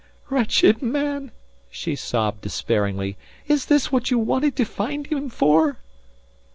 "Wretched man," she sobbed despairingly. "Is this what you wanted to find him for?"